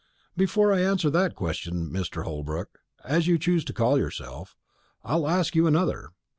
"Before I answer that question, Mr. Mr. Holbrook, as you choose to call yourself, I'll ask you another.